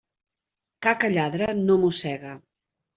Ca que lladra no mossega.